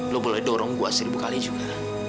lo boleh dorong gue seribu kali juga